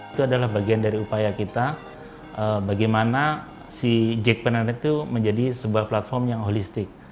itu adalah bagian dari upaya kita bagaimana si jackpreneur itu menjadi sebuah platform yang holistik